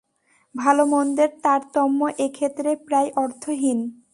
ভালমন্দের তারতম্য এক্ষেত্রে প্রায় অর্থহীন।